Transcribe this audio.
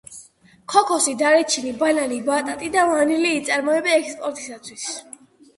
ქოქოსი, დარიჩინი, ბანანი, ბატატი და ვანილი იწარმოება ექსპორტისათვის.